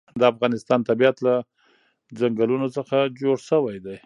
د افغانستان طبیعت له چنګلونه څخه جوړ شوی دی.